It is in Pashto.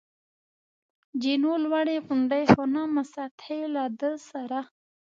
جینو: لوړې غونډۍ، خو نه مسطحې، له ده سره.